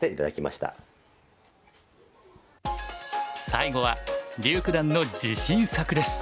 最後は柳九段の自信作です。